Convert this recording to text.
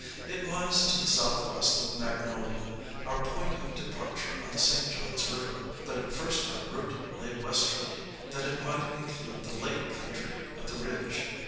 It lies to the south west of Magnolia, our point of departure on the St. John's River, but at first our route lay westerly, that it might include the lake country of the Ridge.